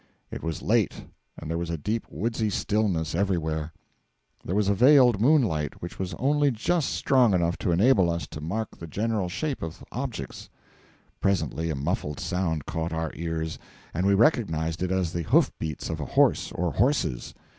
It was late, and there was a deep woodsy stillness everywhere. There was a veiled moonlight, which was only just strong enough to enable us to mark the general shape of objects. Presently a muffled sound caught our ears, and we recognised it as the hoof beats of a horse or horses.